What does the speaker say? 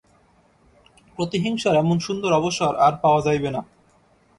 প্রতিহিংসার এমন সুন্দর অবসর আর পাওয়া যাইবে না।